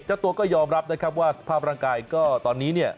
เจ้าตัวก็ยอมรับนะครับว่าสภาพร่างกายก็ตอนนี้เนี่ย